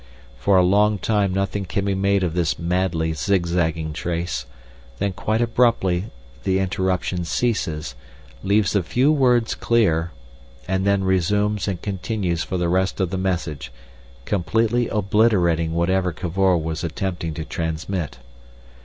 For a long time nothing can be made of this madly zigzagging trace; then quite abruptly the interruption ceases, leaves a few words clear, and then resumes and continues for the rest of the message, completely obliterating whatever Cavor was attempting to transmit.